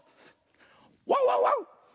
ワンワンワン！